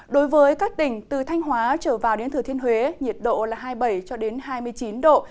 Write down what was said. đối với các tỉnh từ thanh hóa trở vào đến thừa thiên huế nhiệt độ là hai mươi bảy hai mươi chín độ